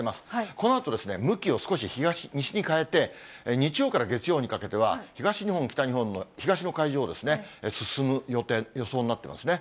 このあと、向きを少し西に変えて、日曜から月曜にかけては、東日本、北日本の東の海上を進む予想になってますね。